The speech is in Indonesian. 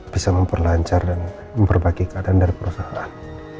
bisa memperlancar dan memperbaiki keadaan dari perusahaan